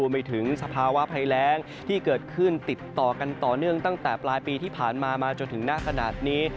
ไม่ถึงสภาวะภัยแรงที่เกิดขึ้นติดต่อกันต่อเนื่องตั้งแต่ปลายปีที่ผ่านมามาจนถึงหน้าขนาดนี้